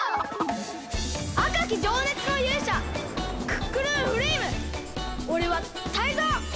あかきじょうねつのゆうしゃクックルンフレイムおれはタイゾウ！